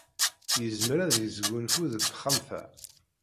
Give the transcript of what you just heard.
Yezmer ad yesgunfu deg texxamt-a.